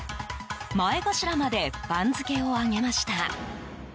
前頭まで番付を上げました。